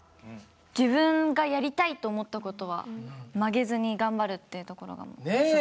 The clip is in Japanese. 自分がやりたいと思った事は曲げずに頑張るっていうところがすごかったです。